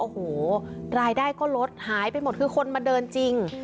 โอ้โหรายได้ก็ลดหายไปหมดคือคนมาเดินจริง